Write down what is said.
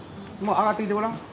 上がってきてごらん。